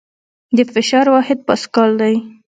د فشار واحد پاسکال دی.